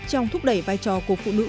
trong thúc đẩy vai trò của phụ nữ